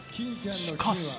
しかし。